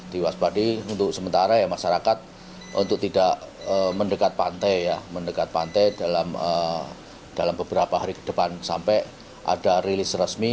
diwaspadai untuk sementara masyarakat untuk tidak mendekat pantai dalam beberapa hari ke depan sampai ada rilis resmi